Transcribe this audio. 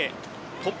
トップ、